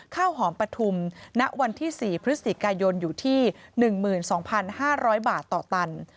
ข้าวหอมปฐุมณวันที่๔พฤศจิกายนอยู่ที่๑๒๕๐๐บาทต่อตัน